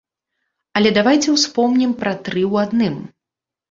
Але давайце ўспомнім пра тры ў адным.